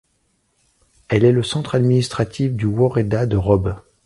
Elle est le centre administratif du woreda de Robe.